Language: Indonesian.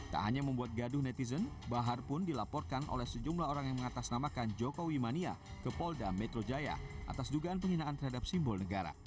tak hanya membuat gaduh netizen bahar pun dilaporkan oleh sejumlah orang yang mengatasnamakan jokowi mania ke polda metro jaya atas dugaan penghinaan terhadap simbol negara